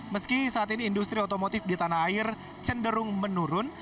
meski saat ini industri otomotif di tanah air cenderung menurun